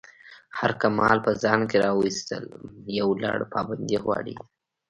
هر کمال په ځان کی راویستل یو لَړ پابندی غواړی.